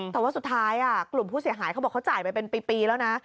แต่ว่าสุดท้ายกลุ่มผู้เสียหายเขาบอกเขาจ่ายไปเป็นปีแล้วนะ